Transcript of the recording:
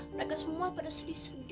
mereka semua pada sedih sedih